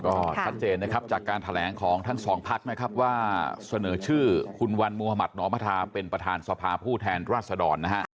ก็ชัดเจนนะครับจากการแถลงของทั้งสองพักนะครับว่าเสนอชื่อคุณวันมุธมัธนอมธาเป็นประธานสภาผู้แทนราชดรนะฮะ